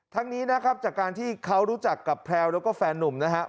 นี้นะครับจากการที่เขารู้จักกับแพลวแล้วก็แฟนนุ่มนะครับ